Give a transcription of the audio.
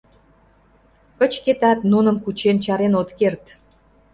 Кычкетат, нуным кучен чарен от керт.